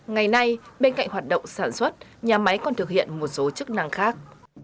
ngày nay bên cạnh hoạt động sản xuất nhà máy còn thực hiện một số chức năng khác